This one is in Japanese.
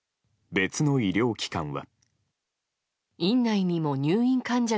別の医療機関は。